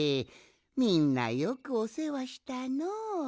みんなよくおせわしたのう。